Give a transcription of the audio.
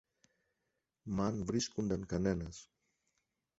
Μ' αν βρίσκουνταν κανένας.